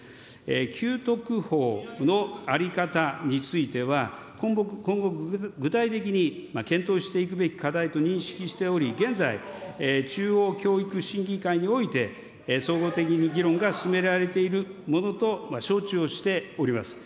給特法の在り方については、今後、具体的に検討していくべき課題と認識しており、現在、中央教育審議会において、総合的に議論が進められているものと承知をしております。